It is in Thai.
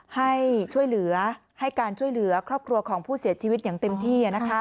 ให้ช่วยเหลือให้การช่วยเหลือครอบครัวของผู้เสียชีวิตอย่างเต็มที่